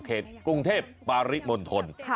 เขตกรุงเทพปริมณฑล